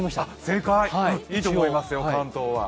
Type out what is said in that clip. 正解、いいと思いますよ、関東は。